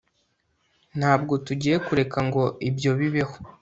ntabwo tugiye kureka ngo ibyo bibeho